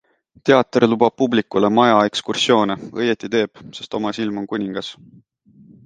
Teater lubab publikule maja ekskursioone, õieti teeb, sest oma silm on kuningas.